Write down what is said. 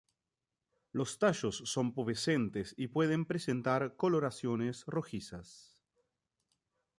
Los tallos son pubescentes y pueden presentar coloraciones rojizas.